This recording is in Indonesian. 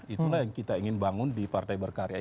itulah yang kita ingin bangun di partai berkarya ini